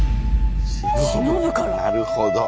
なるほど。